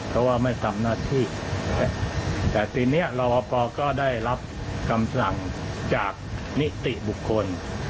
เพราะว่าไม่ทำหน้าที่แต่ทีนี้รอปภก็ได้รับคำสั่งจากนิติบุคคล